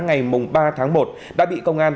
ngày ba tháng một đã bị công an